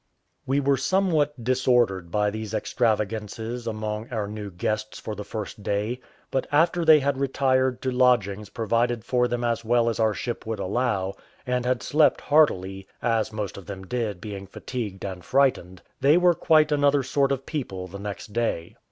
We were somewhat disordered by these extravagances among our new guests for the first day; but after they had retired to lodgings provided for them as well as our ship would allow, and had slept heartily as most of them did, being fatigued and frightened they were quite another sort of people the next day.